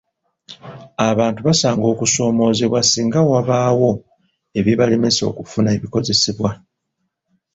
Abantu basanga okusoomoozebwa singa wabaawo ebibalemesa okufuna ebikozesebwa.